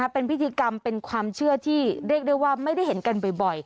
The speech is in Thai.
เป็นพิธีกรรมเป็นความเชื่อที่เรียกได้ว่าไม่ได้เห็นกันบ่อย